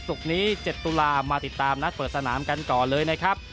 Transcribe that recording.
นี้๗ตุลามาติดตามนัดเปิดสนามกันก่อนเลยนะครับ